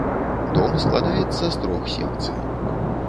Дом складаецца з трох секцый.